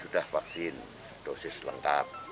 sudah vaksin dosis lengkap